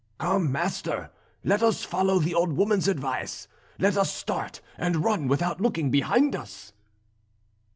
"Come, master, let us follow the old woman's advice; let us start, and run without looking behind us."